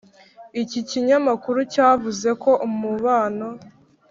iki kinyamakuru cyavuze ko umubano